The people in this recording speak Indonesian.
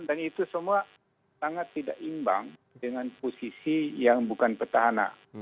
dan itu semua sangat tidak imbang dengan posisi yang bukan petahana